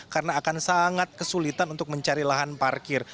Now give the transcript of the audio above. karena akan sangat kesulitan untuk mencari lahan parkir